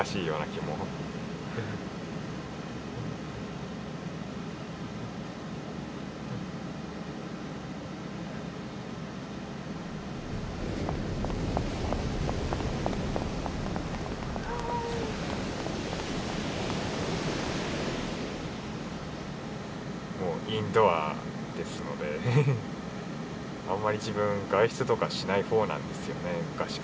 インドアですのであんまり自分外出とかしない方なんですよね昔から。